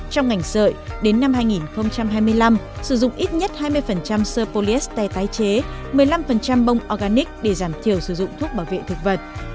trong ngành sợi đến năm hai nghìn hai mươi năm sử dụng ít nhất hai mươi sơ polyester tái chế một mươi năm bông organic để giảm thiểu sử dụng thuốc bảo vệ thực vật